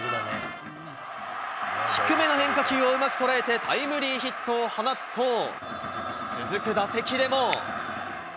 低めの変化球をうまく捉えて、タイムリーヒットを放つと続く打席でも。